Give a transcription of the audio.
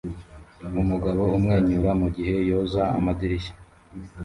Umugabo amwenyura mugihe yoza amadirishya